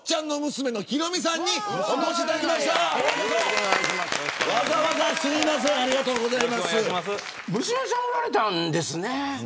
娘さんおられたんですね。